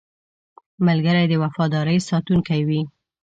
ملګری د وفادارۍ ساتونکی وي